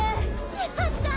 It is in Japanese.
やった！